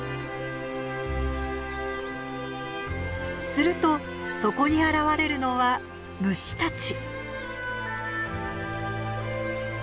するとそこに現れるのは虫たち。